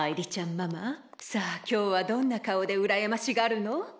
ママさあ今日はどんな顔でうらやましがるの？